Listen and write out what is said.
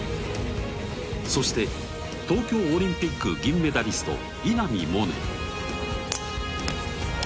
そして、東京オリンピック銀メダリスト稲見萌寧。